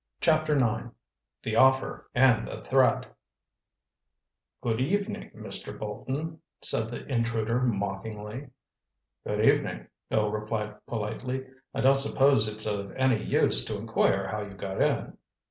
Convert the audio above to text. Chapter IX THE OFFER AND THE THREAT "Good evening, Mr. Bolton," said the intruder mockingly. "Good evening," Bill replied politely. "I don't suppose it's of any use to inquire how you got in?"